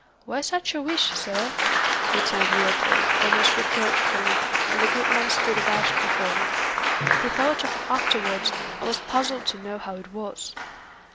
"Why such a wish, sir?" returned Leopold, almost reproachfully, and the good man stood abashed before him. He thought of it afterwards, and was puzzled to know how it was.